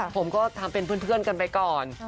ผมก็ทำเป็นเพื่อนกันไปก่อน